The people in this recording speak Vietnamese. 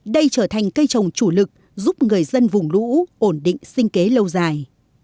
đây trở thành cây trồng chủ lực giúp người dân vùng lũ ổn định sinh kế lâu dài